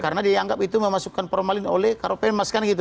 karena dia anggap itu memasukkan formalin oleh karopeng